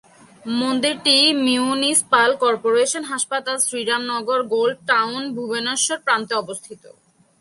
মন্দিরটি municipal corporation হাসপাতাল, Sriram Nagar, old town, ভুবনেশ্বরের প্রান্তে অবস্থিত।